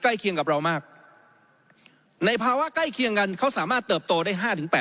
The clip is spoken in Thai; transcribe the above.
เคียงกับเรามากในภาวะใกล้เคียงกันเขาสามารถเติบโตได้๕๘